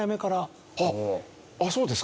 あっそうですか。